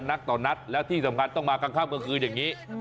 นักต่อนัดแล้วที่สำคัญต้องมาข้างคันกลางคืนแบบนี้